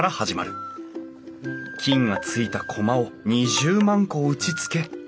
菌がついたコマを２０万個打ちつけ